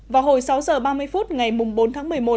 vào hồi sáu h ba mươi phút ngày bốn tháng một mươi một